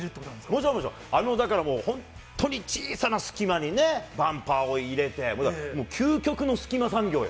もちろん本当に小さな隙間にバンパーを入れて、究極の隙間産業よ。